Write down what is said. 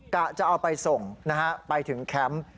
จะเอาไปส่งนะฮะไปถึงแคมป์